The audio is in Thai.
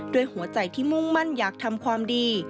หัวใจที่มุ่งมั่นอยากทำความดี